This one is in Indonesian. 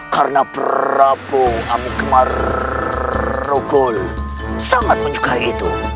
karena prabu amuk margun sangat menyukai itu